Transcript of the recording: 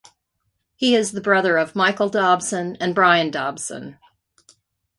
He is the brother of Michael Dobson and Brian Dobson.